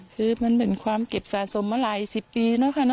คือมันเป็นความเก็บสะสมมาหลายสิบปีแล้วค่ะ